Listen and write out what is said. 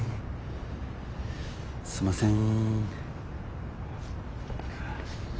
すいません